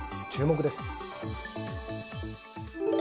注目です。